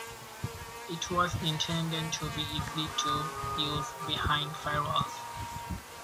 It was intended to be easy to use behind firewalls.